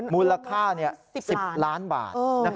มูลค่า๑๐ล้านบาท